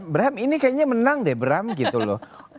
bram ini kayaknya menang deh bram gitu loh